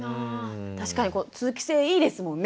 確かにこう通気性いいですもんね。